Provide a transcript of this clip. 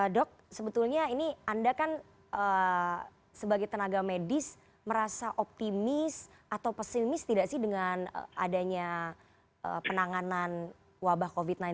dok sebetulnya ini anda kan sebagai tenaga medis merasa optimis atau pesimis tidak sih dengan adanya penanganan wabah covid sembilan belas